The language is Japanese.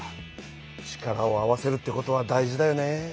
力を合わせるってことは大事だよね。